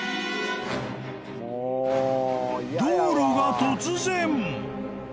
［道路が突然］